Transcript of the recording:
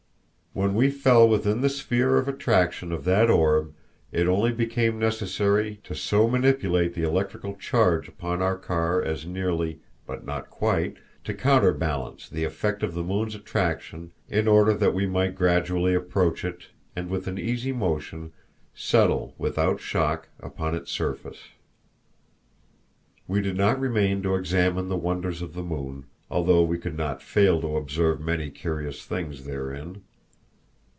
When we fell within the sphere of attraction of that orb it only became necessary to so manipulate the electrical charge upon our car as nearly, but not quite, to counterbalance the effect of the moon's attraction in order that we might gradually approach it and with an easy motion, settle, without shock, upon its surface. We did not remain to examine the wonders of the moon, although we could not fail to observe many curious things therein.